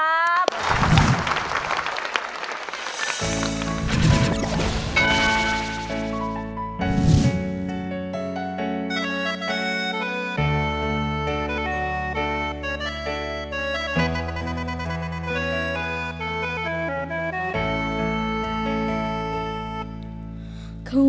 เขามีความ